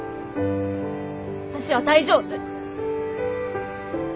私は大丈夫。